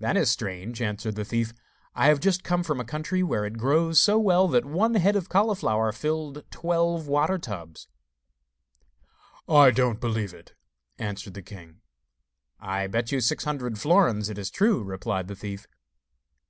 'That is strange,' answered the thief. 'I have just come from a country where it grows so well that one head of cauliflower filled twelve water tubs.' 'I don't believe it,' answered the king. 'I bet you six hundred florins it is true,' replied the thief.